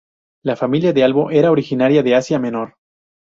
La familia de Albo era originaria de Asia Menor.